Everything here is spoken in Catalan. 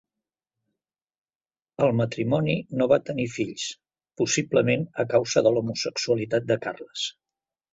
El matrimoni no va tenir fills, possiblement a causa de l'homosexualitat de Carles.